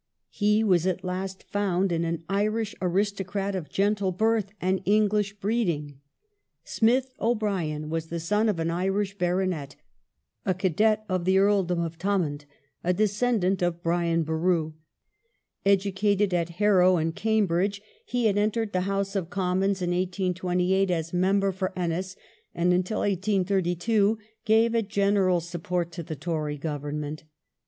He was at last found in an Irish aristo crat of gentle birth and English breeding. Smith O'Brien was the son of an Irish baronet, a cadet of the Earldom of Thomond, a descendant of Brian Boru. Educated at Harrow and Cambridge he had entered the House of Commons in 1828 as Member for Ennis and, until 1832, gave a general support to the Tory Government.